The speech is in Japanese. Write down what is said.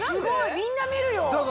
みんな見るよ。